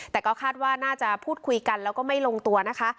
แต่ก็คาดว่าน่าจะพูดคุยกันแล้วก็ไม่ลงตัวนะคะ